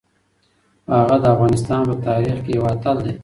هغه د افغانستان په تاریخ کې یو اتل دی.